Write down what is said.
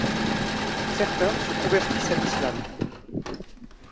Certains se convertissent à l'islam.